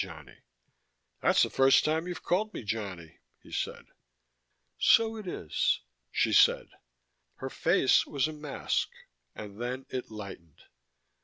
Johnny." "That's the first time you've called me Johnny," he said. "So it is," she said. Her face was a mask: and then it lightened.